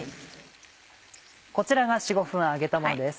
こちらが４５分揚げたものです。